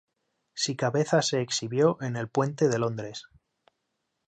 Si cabeza se exhibió en el Puente de Londres.